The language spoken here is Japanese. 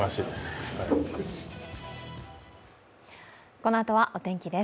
このあとはお天気です